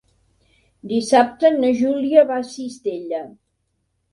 Dissabte na Júlia va a Cistella.